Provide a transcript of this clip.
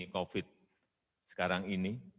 covid sembilan belas sekarang ini